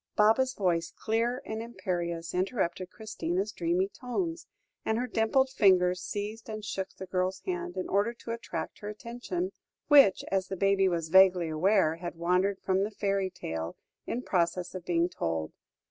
Baba's voice, clear and imperious, interrupted Christina's dreamy tones, and her dimpled fingers seized and shook the girl's hand, in order to attract her attention, which, as the baby was vaguely aware, had wandered from the fairy tale in process of being told.